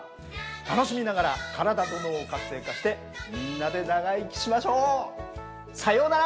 楽しみながら体と脳を活性化してみんなで長生きしましょう！さようなら。